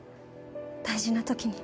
大事なときに